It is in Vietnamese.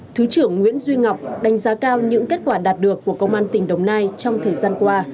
thứ trưởng nguyễn duy ngọc đánh giá cao những kết quả đạt được của công an tỉnh đồng nai trong thời gian qua